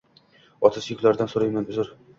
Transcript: Otasi yuklardan surayman uzr